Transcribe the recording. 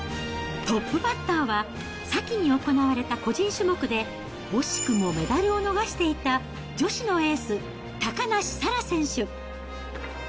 トップバッターは、先に行われた個人種目で惜しくもメダルを逃していた女子のエース、高梨沙羅選手。